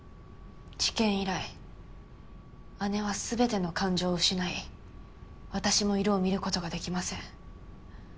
事件以来姉は全ての感情を失い私も色を見ることが出来ません。